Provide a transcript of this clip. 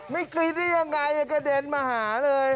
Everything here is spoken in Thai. กรี๊ดได้ยังไงกระเด็นมาหาเลย